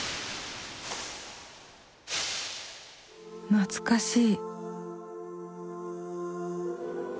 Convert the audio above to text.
懐かしい。